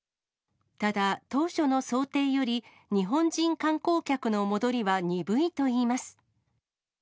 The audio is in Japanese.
ただ、当初の想定より日本人観光客の戻りは鈍いといいます。